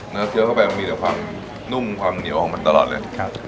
เคี้ยวเข้าไปมันมีแต่ความนุ่มความเหนียวของมันตลอดเลย